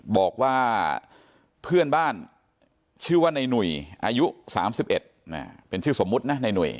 บอกว่าเพื่อนบ้านชื่อว่าในหนุ่ยอายุ๓๑เป็นชื่อสมมุตินะในหนุ่ย